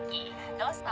どうした？